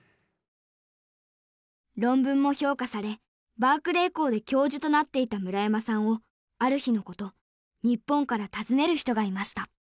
論文も評価されバークレー校で教授となっていた村山さんをある日のこと日本から訪ねる人がいました。